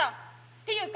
っていうか